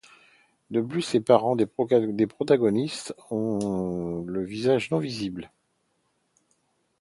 De plus les parents des protagonistes ont le visage non visible.